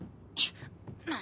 何？